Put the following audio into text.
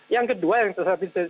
yang kedua yang tadi saya mau sampaikan